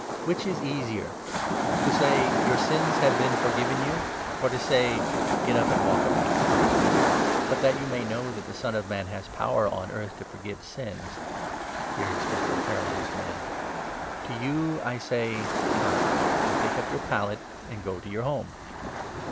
Which is the 23 easier ?— to say ' Your sins have been forgiven you '? or to say ' Get up, and walk about '? But that you may know that 24 the Son of Man has power on earth to forgive sins —" here he spoke to the paralyzed man — "To you I say, Get up, and take up your pallet, and go to your home."